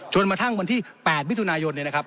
จนมาทั้งวันที่๘วิทยุนายน